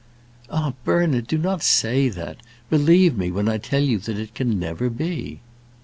"Ah, Bernard, do not say that! Believe me, when I tell you that it can never be."